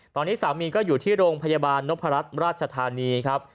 ตอนนี้สามีก็อยู่ที่โรงพยาบาลนพรัชราชธานีครับ